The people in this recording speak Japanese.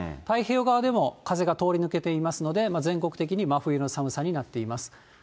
太平洋側でも風が通り抜けていますので、全国的に真冬の寒さになっています。